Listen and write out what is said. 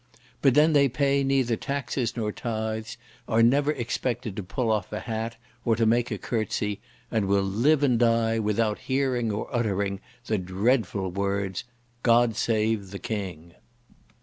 But then they pay neither taxes nor tythes, are never expected to pull off a hat or to make a curtsy, and will live and die without hearing or uttering the dreadful words, "God save the king."